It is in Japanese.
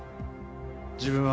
自分は。